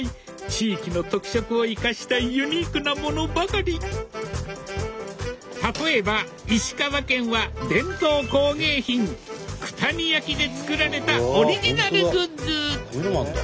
地域の特色を生かしたユニークなものばかり例えば石川県は伝統工芸品九谷焼で作られたオリジナルグッズ